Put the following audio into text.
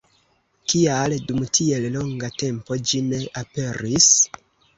Kial dum tiel longa tempo ĝi ne aperis?